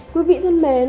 quý vị thân mến